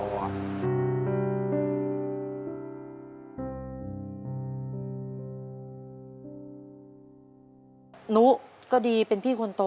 หนูก็ดีเป็นพี่คนโต